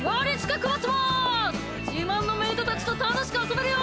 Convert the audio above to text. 自慢のメイドたちと楽しく遊べるよ！